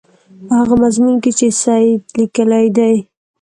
په هغه مضمون کې چې سید لیکلی دی.